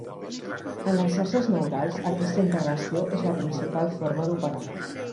En les xarxes neurals, aquesta integració és la principal forma d'operar.